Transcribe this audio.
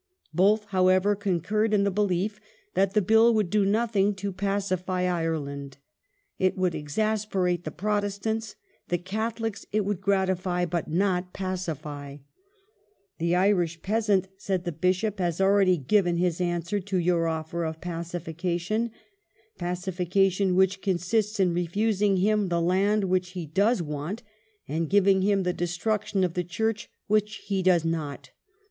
Both, however, concurred in the belief that the Bill would do nothing to pacify Ireland : it would exasperate the Protestants, the Catholics it would gratify but not pacify. " The Irish peas ant," said the Bishop, '* has already given his answer to your off*er of pacification — pacification which consists in refusing him the land which he does want, and giving him the destruction of the THE IRISH QUESTION [1865 Amend ments in Com mittee Church which he does not."